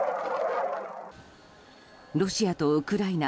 ロシアとウクライナ